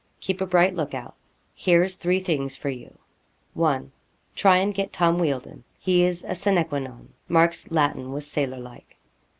Keep a bright look out. Here's three things for you: '1. Try and get Tom Wealdon. He is a sina que non. [Mark's Latin was sailor like.